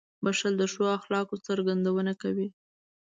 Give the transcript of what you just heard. • بښل د ښو اخلاقو څرګندونه کوي.